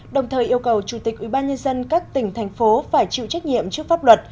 đồng thời yêu cầu chủ tịch ubnd các tỉnh thành phố phải chịu trách nhiệm trước pháp luật